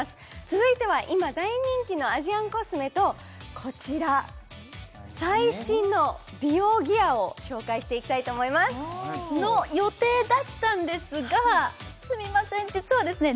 続いては今大人気のアジアンコスメとこちら最新の美容ギアを紹介していきたいと思いますの予定だったんですがすみません実はですね